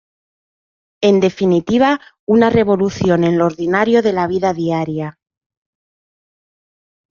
En definitiva, una revolución en lo ordinario de la vida diaria.